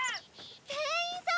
店員さん！